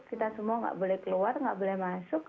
kita semua gak boleh keluar gak boleh masuk